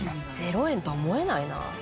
「０円とは思えないな」